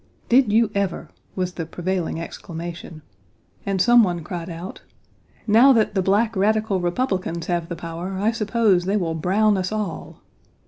"Did you ever!" was the prevailing exclamation, and some one cried out: "Now that the black radical Republicans have the power I suppose they will Brown 1 us all.